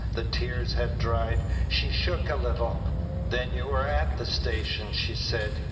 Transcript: The tears had dried. She shook a little. "Then you were at the station," she said.